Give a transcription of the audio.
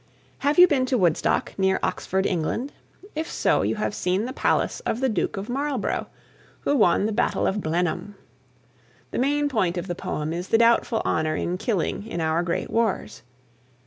Have you been to Woodstock, near Oxford, England? If so, you have seen the palace of the Duke of Marlborough, who won the battle of Blenheim. The main point of the poem is the doubtful honour in killing in our great wars.